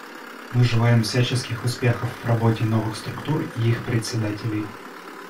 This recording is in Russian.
Мы желаем всяческих успехов в работе новых структур и их председателей.